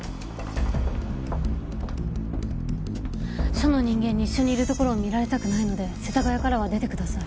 署の人間に一緒にいるところを見られたくないので世田谷からは出てください。